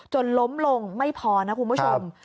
ล้มลงไม่พอนะคุณผู้ชม